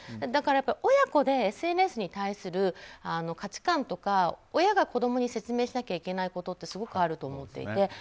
だから親子でＳＮＳに対する価値観とか親が子供に説明しなきゃいけないことってすごくあると思っていて。